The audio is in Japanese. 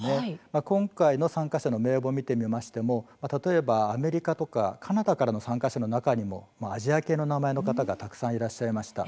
今回の参加者の名簿を見てみましても、例えばアメリカとかカナダからの参加者の中にもアジア系の名前の方がたくさんいらっしゃいました。